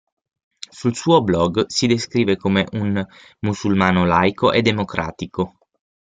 Sul suo blog si descrive come un "musulmano laico e democratico".